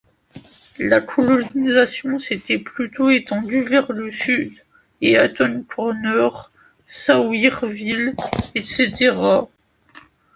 La colonisation s'était plutôt étendu vers le sud; Eaton Corner, Sawyerville, etc.